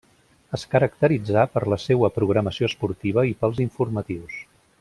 Es caracteritzà per la seua programació esportiva i pels informatius.